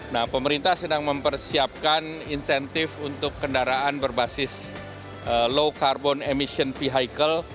nah pemerintah sedang mempersiapkan insentif untuk kendaraan berbasis low carbon emission vehicle